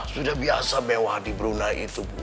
sudah biasa mewah di brunei itu bu